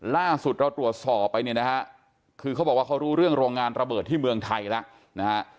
ล่าสุดเราตรวจสอบไปเนี่ยนะฮะคือเขาบอกว่าเขารู้เรื่องโรงงานระเบิดที่เมืองไทยแล้วนะฮะ